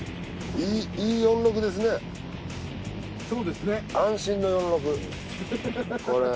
そうですね。